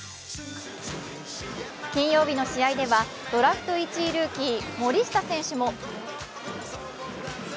金曜日の試合ではドラフト１位ルーキー・森下選手も。